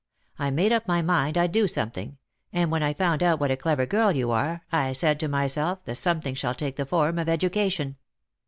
I made up my mind I'd do something ; and when I found out what a clever girl you are, I said to myself, the something shall take the form of education.